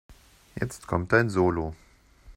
Jetzt kommt dein Solo.